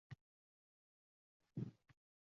Onam sabrli ayol